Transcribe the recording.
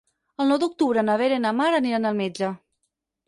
El nou d'octubre na Vera i na Mar aniran al metge.